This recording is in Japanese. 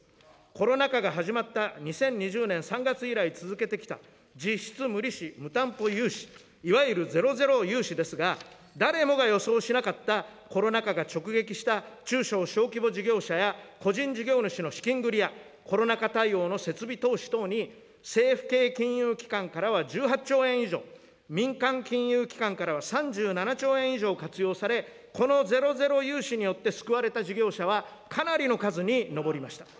コロナ禍が始まった２０２０年３月以来続けてきた、実質無利子・無担保融資、いわゆるゼロゼロ融資ですが、誰もが予想しなかったコロナ禍が直撃した中小小規模事業者や、個人事業主の資金繰りや、コロナ禍対応の設備投資等に政府系金融機関からは１８兆円以上、民間金融機関からは３７兆円以上活用され、このゼロゼロ融資によって救われた事業者はかなりの数に上りました。